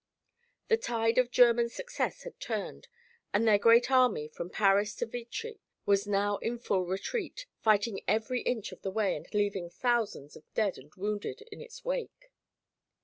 The tide of German success had turned and their great army, from Paris to Vitry, was now in full retreat, fighting every inch of the way and leaving thousands of dead and wounded in its wake.